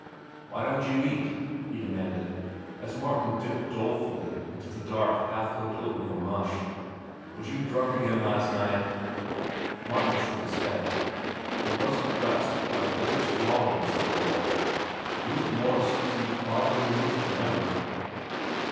"Why don't you eat?" he demanded, as Martin dipped dolefully into the cold, half cooked oatmeal mush. "Was you drunk again last night?" Martin shook his head. He was oppressed by the utter squalidness of it all. Ruth Morse seemed farther removed than ever.